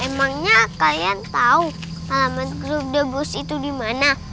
emangnya kalian tahu alamat grup the bus itu dimana